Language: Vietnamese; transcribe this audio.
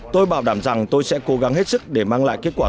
tôi bảo đảm rằng tôi sẽ cố gắng hết sức để mang lại kết quả